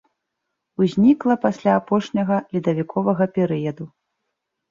Узнікла пасля апошняга ледавіковага перыяду.